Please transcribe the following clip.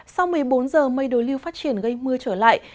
sau một mươi bốn giờ mây đối lưu phát triển gây mưa trở lại